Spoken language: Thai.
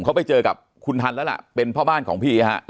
เขาไปเจอกับคุณทันเป็นพ่อบ้านของพี่ครับ